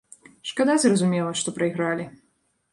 Шкада, зразумела, што прайгралі.